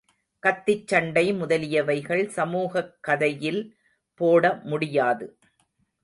கத்திச் சண்டை முதலியவைகள் சமூகக்கதையில் போட முடியாது.